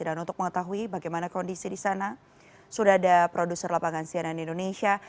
dan untuk mengetahui bagaimana kondisi di sana sudah ada produser lapangan siaran indonesia